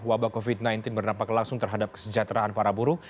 wabah covid sembilan belas berdampak langsung terhadap kesejahteraan para buruh